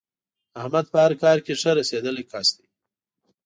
احمد په هر کار کې ښه رسېدلی کس دی.